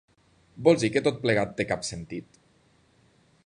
¿Vols dir que tot plegat té cap sentit?